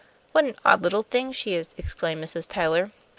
"What an odd little thing she is!" exclaimed Mrs. Tyler.